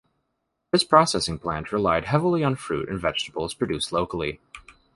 This processing plant relied heavily on fruit and vegetables produced locally.